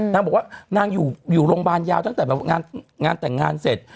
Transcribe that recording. นางบอกว่านางอยู่โรงพยาบาลยาวตั้งแต่งานแต่งงานเสร็จ